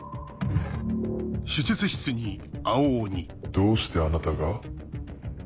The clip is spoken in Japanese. どうしてあなたが？